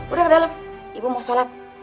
udah ke dalem ibu mau sholat